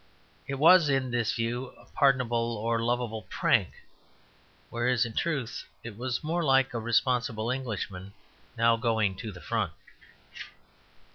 It was, in this view, a pardonable or lovable prank; whereas in truth it was more like a responsible Englishman now going to the Front.